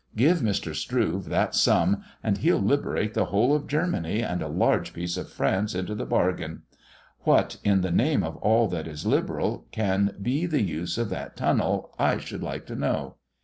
Give Mr. Struve that sum, and he'll liberate the whole of Germany and a large piece of France into the bargain. What, in the name of all that is liberal, can be the use of that tunnel, I should like to know?